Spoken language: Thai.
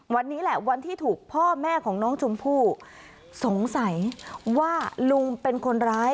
วันนี้แหละวันที่ถูกพ่อแม่ของน้องชมพู่สงสัยว่าลุงเป็นคนร้าย